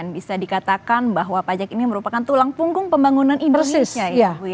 bisa dikatakan bahwa pajak ini merupakan tulang punggung pembangunan indonesia